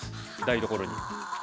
台所に。